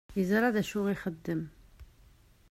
Yeẓṛa dacu i ixeddem.